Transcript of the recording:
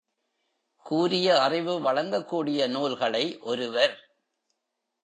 கூரிய அறிவு வழங்கக் கூடிய நூல்களை ஒருவர்